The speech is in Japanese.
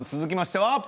続きましては。